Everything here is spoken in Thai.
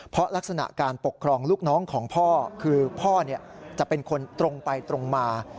เพราะลักษณะการปกครองลูกน้องของพ่อคือพ่อจะเป็นคนตรงไปตรงมา